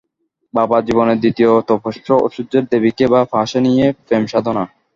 বাবা, জীবনের দ্বিতীয় তপস্যা ঐশ্বর্যের, দেবীকে বাঁ পাশে নিয়ে প্রেমসাধনা।